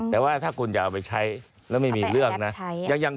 แต่ว่าถ้าคุณจะเอาไปใช้แล้วไม่มีเรื่องนะ